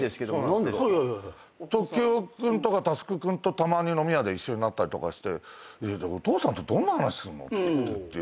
時生君とか佑君とたまに飲み屋で一緒になったりしてお父さんとどんな話すんの？って言って。